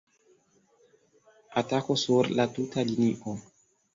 Atako sur la tuta linio!